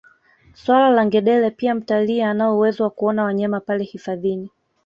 Swala na ngedele pia mtalii anao uwezo wa kuona wanyama pale hifadhini